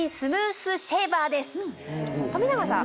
富永さん